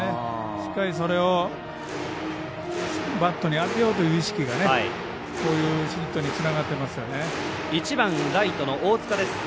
しっかり、それをバットに当てようという意識がこういうヒットにつながっていますよね。